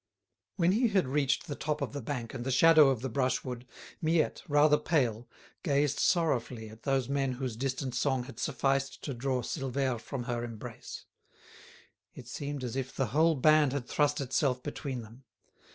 When he had reached the top of the bank and the shadow of the brushwood, Miette, rather pale, gazed sorrowfully at those men whose distant song had sufficed to draw Silvère from her embrace. It seemed as if the whole band had thrust itself between them.